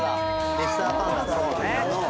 レッサーパンダそうね。